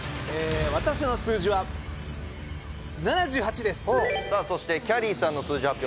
私の数字は７８ですそしてきゃりーさんの数字発表